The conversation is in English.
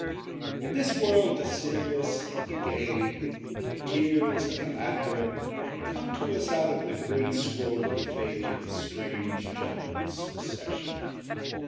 In this world the serious and the gay, the tears and the laughter, come to us out of the great scroll of fate in strange, jumbled suc cession.